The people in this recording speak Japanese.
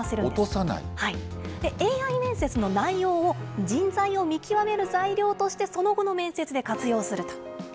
ＡＩ面接の内容を人材を見極める材料としてその後の面接で活用すると。